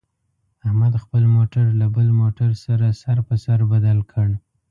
احمد خپل موټر له بل موټر سره سر په سر بدل کړ.